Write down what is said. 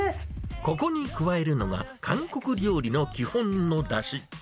ここに加えるのは、韓国料理の基本のだし。